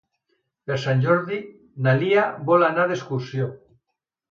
Per Sant Jordi na Lia vol anar d'excursió.